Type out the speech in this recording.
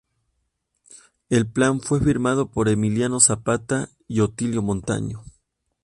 El plan fue firmado por Emiliano Zapata y Otilio Montaño.